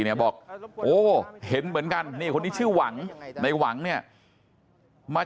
เนี่ยบอกโอ้เห็นเหมือนกันนี่คนนี้ชื่อหวังในหวังเนี่ยมา